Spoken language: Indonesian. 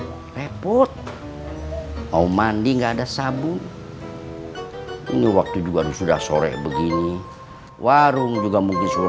repot mau mandi enggak ada sabu ini waktu juga sudah sore begini warung juga mungkin suruh